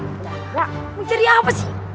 gak mau ceria apa sih